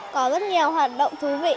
có rất nhiều hoạt động thú vị